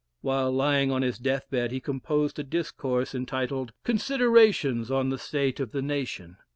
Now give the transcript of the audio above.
While lying on his death bed he composed a discourse, entitled "Considerations on the State of the Nation."